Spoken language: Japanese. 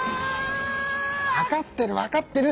わかってるわかってる！